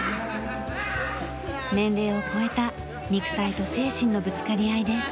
年齢を超えた肉体と精神のぶつかり合いです。